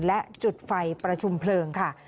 และจุดไฟประชุมเพลิงค่ะ